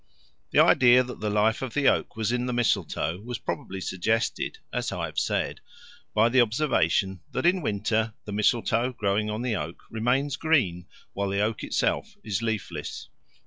The idea that the life of the oak was in the mistletoe was probably suggested, as I have said, by the observation that in winter the mistletoe growing on the oak remains green while the oak itself is leafless.